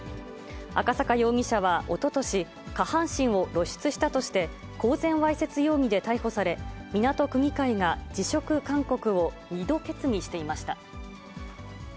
赤坂容疑者はおととし、下半身を露出したとして、公然わいせつ容疑で逮捕され、港区議会が辞職勧告を２度決議していました。